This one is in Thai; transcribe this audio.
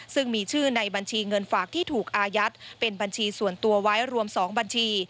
ซึ่งมีชื่อในบัญชีเงินฝากที่ถูกอายัดเป็นบัญชีส่วนตัวไว้รวม๒บัญชี